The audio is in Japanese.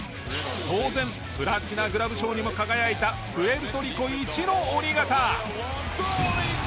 当然プラチナグラブ賞にも輝いたプエルトリコ一の鬼肩。